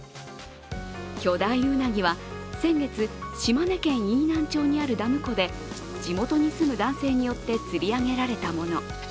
巨大うなぎは先月、島根県飯南町にあるダム湖で地元に住む男性によって釣り上げられたもの。